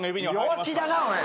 弱気だなおい！